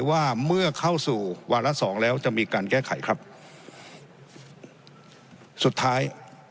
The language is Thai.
ว่าเมื่อเข้าสู่วาระสองแล้วจะมีการแก้ไขครับสุดท้าย